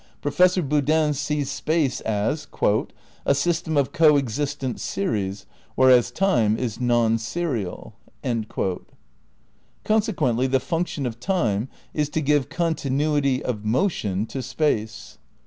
Professor Boodin sees space as "a system of co existent series, whereas time is non serial." Consequently, the function of time is to give con tinuity (of motion) to space.